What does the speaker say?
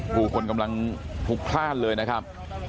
ผู้คนกำลังพลุกพลาดเลยนะครับ